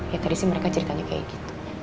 ya tadi sih mereka ceritanya kayak gitu